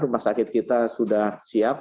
rumah sakit kita sudah siap